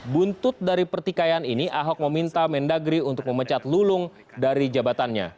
buntut dari pertikaian ini ahok meminta mendagri untuk memecat lulung dari jabatannya